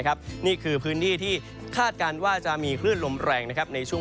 นี่คือพื้นที่ที่คาดการณ์ว่าจะมีคลื่นลมแรงในช่วง